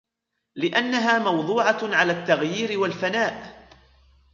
لِأَنَّهَا مَوْضُوعَةٌ عَلَى التَّغْيِيرِ وَالْفَنَاءِ